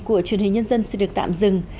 của truyền hình nhân dân sẽ được tạm dừng